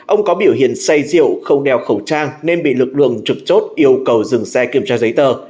ông có biểu hiện say rượu không đeo khẩu trang nên bị lực lượng trực chốt yêu cầu dừng xe kiểm tra giấy tờ